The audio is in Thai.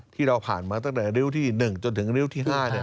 ที่ผ่านมาตั้งแต่ริ้วที่๑จนถึงริ้วที่๕